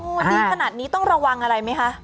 ดีขนาดนี้ต้องระวังอะไรไหมคะ